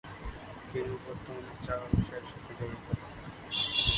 তিনি বর্তমানে চা ব্যবসায়ের সাথে জড়িত।